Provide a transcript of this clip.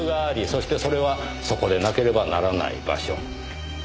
そしてそれはそこでなければならない場所。